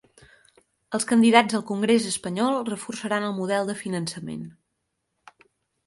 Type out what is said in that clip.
Els candidats al congrés espanyol reforçaran el model de finançament